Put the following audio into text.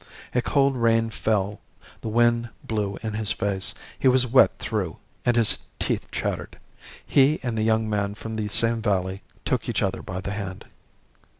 A cold rain fell, the wind blew in his face; he was wet through, and his teeth chattered. He and the young man from the same valley took each other by the hand.